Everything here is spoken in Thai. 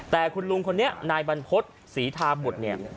แต่คุณลุงคนนี้นายบรรพฤษศรีธาบุตรเนี่ย